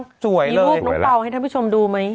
มีฮูบน้องเป้าให้ท่านผู้ชมดูมั้ย